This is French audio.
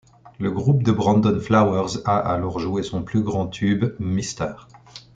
Le groupe de Brandon Flowers a alors joué son plus grand tube Mr.